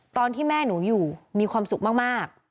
ตอนที่แม่หนูอยู่มีความสุขมาก